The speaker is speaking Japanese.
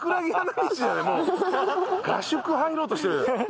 合宿入ろうとしてるじゃない。